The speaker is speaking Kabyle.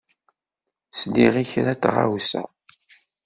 Sliɣ i kra n tɣawsa.